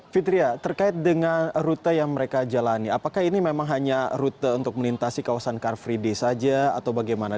fitria terkait dengan rute yang mereka jalani apakah ini memang hanya rute untuk melintasi kawasan car free day saja atau bagaimana